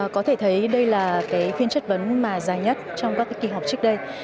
có thể thấy đây là cái phiên chất vấn mà dài nhất trong các kỳ họp trước đây